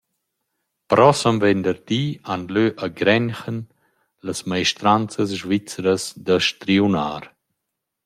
Prossem venderdi han lö a Grenchen las maestranzas svizras da striunar.